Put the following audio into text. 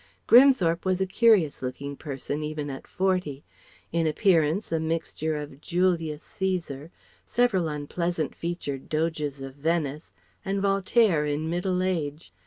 Grimthorpe was a curious looking person, even at forty; in appearance a mixture of Julius Caesar, several unpleasant featured Doges of Venice, and Voltaire in middle age.